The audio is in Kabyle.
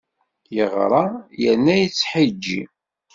Yeɣra yerna yettḥeǧǧi!